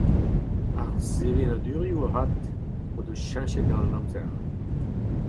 Ar sevenadurioù avat o deus cheñchet gant an amzer.